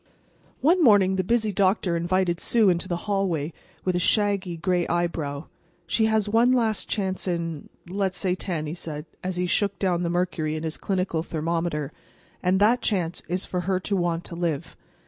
One morning the busy doctor invited Sue into the hallway with a shaggy, gray eyebrow. "She has one chance in—let us say, ten," he said, as he shook down the mercury in his clinical thermometer. "And that chance is for her to want to live.